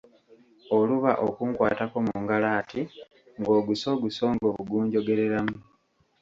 Oluba okunkwatako mu ngalo ati ng'oguso ogusongovu gunjogereramu.